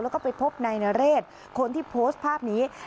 แล้วก็ไปพบนายนเรศคนที่โพสต์ภาพนี้